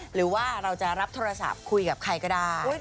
หรือว่าเราจะรับโทรศัพท์คุยกับใครก็ได้